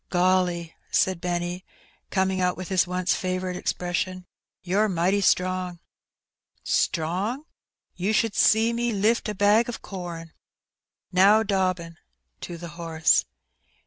"Gollj/* said Benny^ coming out with his once &voiirite expression^ '^you're mighty strong!" "Strong? You should see me lift a bag o* com! Now, Dobbin/* to the horse.